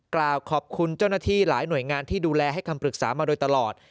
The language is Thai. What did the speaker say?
กล่าวขอบคุณเจ้าหน้าที่หลายหน่วยงานที่ดูแลให้คำปรึกษามาโดยตลอด